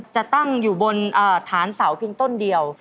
จะตั้งอยู่บนฐานเสาเพียงต้นเดียว